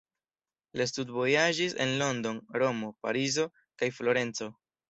Li studvojaĝis en London, Romo, Parizo, kaj Florenco.